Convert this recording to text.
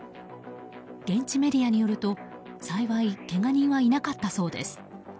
現地メディアによると、幸いけが人はいなかったそうです。